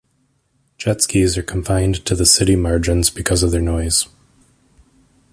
Jet skis are confined to the city margins because of their noise.